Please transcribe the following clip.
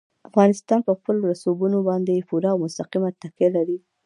افغانستان په خپلو رسوبونو باندې پوره او مستقیمه تکیه لري.